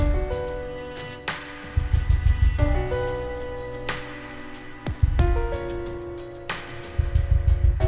mahu lihat ceritaku